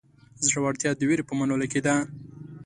زړهورتیا د وېرې په منلو کې ده.